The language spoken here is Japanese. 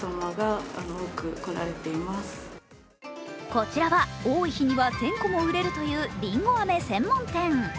こちらは、多い日には１０００個も売れるというりんご飴専門店。